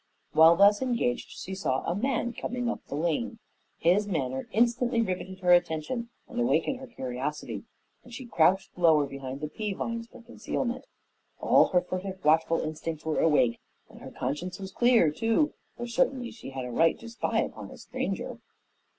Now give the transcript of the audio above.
While thus engaged, she saw a man coming up the lane. His manner instantly riveted her attention and awakened her curiosity, and she crouched lower behind the pea vines for concealment. All her furtive, watchful instincts were awake, and her conscience was clear, too, for certainly she had a right to spy upon a stranger.